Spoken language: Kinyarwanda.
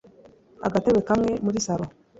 agatebe kamwe muri salon